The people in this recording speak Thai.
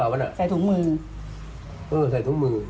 เวลาอะไร